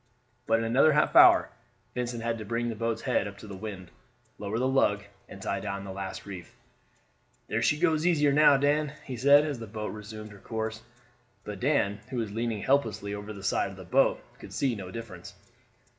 But in another half hour Vincent had to bring the boat's head up to the wind, lower the lug, and tie down the last reef. "There, she goes easier now, Dan," he said, as the boat resumed her course; but Dan, who was leaning helplessly over the side of the boat, could see no difference.